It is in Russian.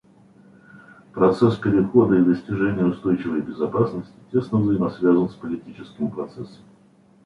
Процесс перехода и достижения устойчивой безопасности тесно взаимосвязан с политическим процессом.